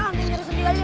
nanti ngeri sendiri lagi